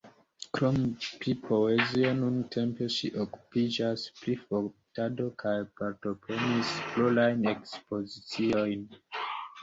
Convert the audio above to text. Krom pri poezio, nuntempe ŝi okupiĝas pri fotado, kaj partoprenis plurajn ekspoziciojn.